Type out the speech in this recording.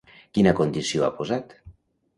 Quina condició ha posat?